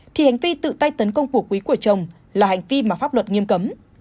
thì hành vi tự tay tấn công của quý của chồng là hành vi mà pháp luật nghiêm cấm